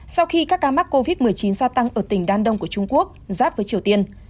sau khi các ca mắc covid một mươi chín gia tăng ở tỉnh đan đông của trung quốc giáp với triều tiên